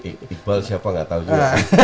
iqbal siapa nggak tahu juga